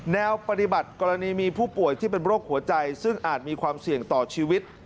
แนวปฏิบัติกรณีมีผู้ป่วยที่เป็นโรคหัวใจซึ่งอาจมีความเสี่ยงต่อชีวิต